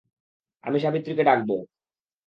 আমি সাবিত্রীকে ডাকবো।